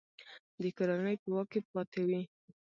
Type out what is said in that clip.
د کورنۍ په واک کې پاته وي.